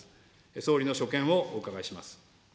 総理の所見をお伺いします。